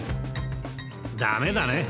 ダメだね。